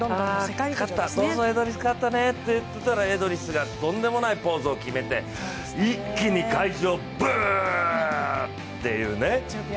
そうそう、エドリス勝ったねといっていたら、エドリスがとんでもないポーズを決めて一気に会場をブーッというね。